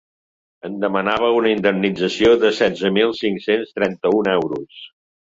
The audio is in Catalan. En demanava una indemnització de setze mil cinc-cents trenta-un euros.